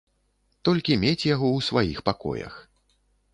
Толькі мець яго ў сваіх пакоях.